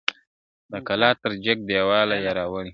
د قلا تر جګ دېواله یې راوړی٫